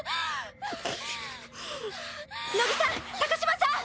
乃木さん高嶋さん！